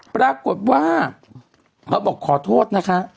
ปรากฏว่าเขาบอกขอโทษนะคะ